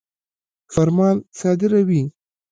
فرمان صادروي.